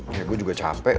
ya gue juga capek